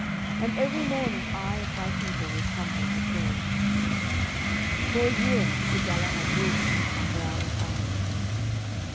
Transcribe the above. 'And every morning I and my people will come here to pray,' he said. For a year Sir Galahad ruled the country well and wisely.